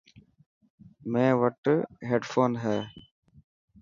ميڻ وٽ هيڊفون هي.